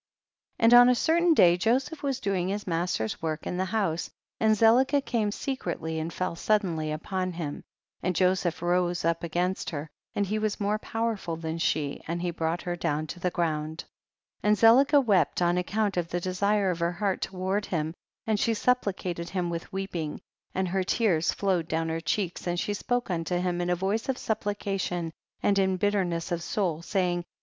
40. And on a certain day Joseph was doing his master's work in the house, and Zelicah came secretly and fell suddenly upon him, and Jo seph rose up against her, and he was more powerful than she, and he brought her down to the ground. 41. And Zelicah wept on account of the desire of her heart toward him, and she supplicated him with weep ing, and her tears flowed down her cheeks, and she spoke unto him in a voice of supplication and in bitterness of soul, saying, 42.